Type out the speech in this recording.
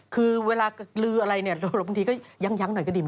คือเวลาลืมอะไรบางทีก็แย่งหน่อยก็ดิม